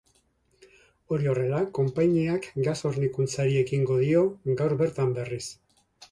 Hori horrela, konpainiak gas hornikuntzari ekingo dio gaur bertan berriz.